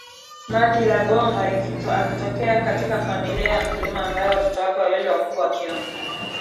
maji ya bomba akitokea katika familia ya mkulima ambaye watoto wake wawili wakubwa wakiume